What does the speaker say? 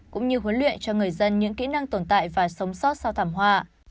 cũng như huấn luyện cho người dân những kỹ năng tồn tại và sống sót sau thảm họa